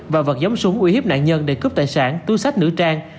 và vật giống súng ủy hiếp nạn nhân để cướp tài sản tu sách nữ trang